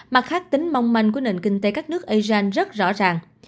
mặt khác tính mong manh của nền kinh tế các nước asean rất rõ ràng